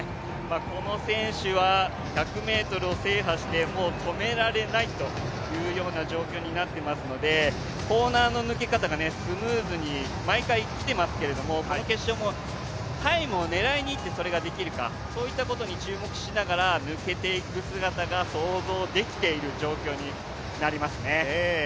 この選手は１００ｍを制覇して止められないというような状況になっていますのでコーナーの抜け方がスムーズに毎回きてますけどこの決勝もタイムを狙いにいってそれができるか、注目しながら抜けていく姿が想像できている状況になりますね。